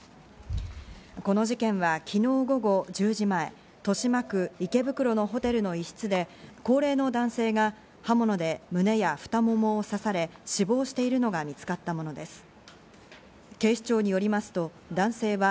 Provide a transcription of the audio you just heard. この事件は昨日午後１０時前、豊島区池袋のホテルの一室で、高齢の男性が刃物で胸や太ももを刺され、死亡しているのが見つかったものです。